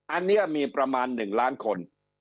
อันนี้มีประมาณ๑ล้านคน